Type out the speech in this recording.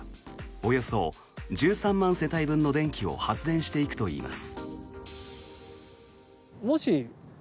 およそ１３万世帯分の電気を発電していくといいます。